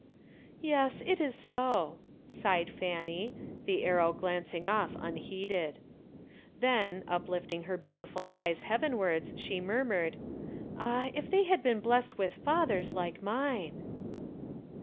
"Yes, it is so," sighed Fanny, the arrow glancing off unheeded. Then, uplifting her beautiful eyes heavenwards, she murmured: "Ah, if they had been blessed with fathers like mine."